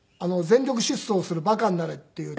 『全力疾走するバカになれ』という。